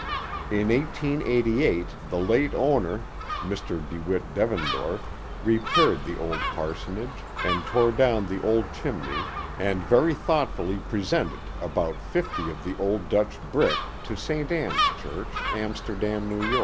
In 1888 the late owner, Mr. DeWitt Devendorf, repaired the old parsonage and tore down the old chimney and very thoughtfully presented about fifty of the old Dutch brick to St. Ann's Church, Amsterdam, N. Y.